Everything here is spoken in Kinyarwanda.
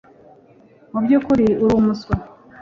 Mubyukuri uri umuswa